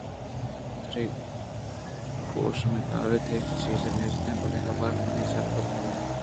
تری گوش مہ داریت ہچ چُرت نیست بلئے اے حبرءَ منی سر پِر نہ بیت